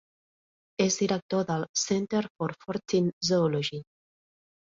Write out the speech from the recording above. És director del Centre for Fortean Zoology.